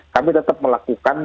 kami tetap melakukan